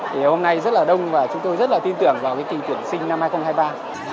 thì hôm nay rất là đông và chúng tôi rất là tin tưởng vào cái kỳ tuyển sinh năm hai nghìn hai mươi ba